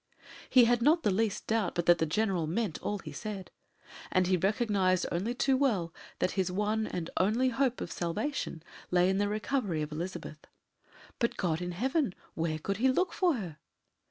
He had not the least doubt but that the General meant all he said, and he recognized only too well that his one and only hope of salvation lay in the recovery of Elizabeth. But, God in heaven, where could he look for her?